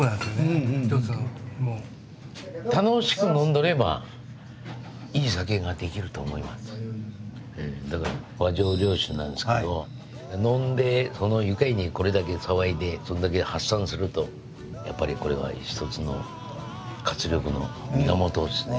きれいな酒を造ろうと思っとる「和醸良酒」なんですけど飲んで愉快にこれだけ騒いでそれだけ発散するとやっぱりこれは一つの活力の源ですね。